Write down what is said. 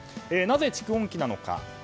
なぜ蓄音機なのか。